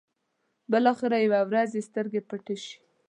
بلاخره يوه ورځ يې سترګې پټې شي.